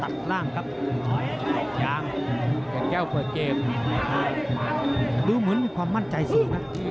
ดูเหมือนมีความมั่นใจสูงนะ